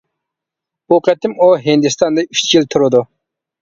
بۇ قېتىم ئۇ ھىندىستاندا ئۈچ يىل تۇرىدۇ.